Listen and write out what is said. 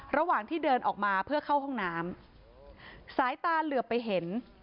ระหว่างที่เดินออกมาเพื่อเข้าห้องน้ำสายตาเหลือไปเห็น